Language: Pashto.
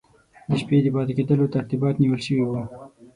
د شپې د پاته کېدلو ترتیبات نیول سوي وو.